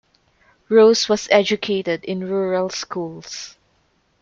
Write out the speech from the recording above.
Rose was educated in rural schools.